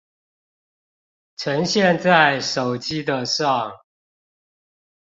呈現在手機的上